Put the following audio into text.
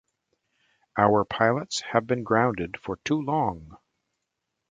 Our pilots have been grounded for too long.